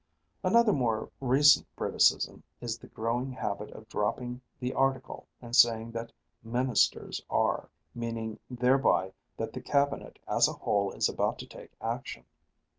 Another more recent Briticism is the growing habit of dropping the article, and saying that "ministers are," meaning thereby that the cabinet as a whole is about to take action.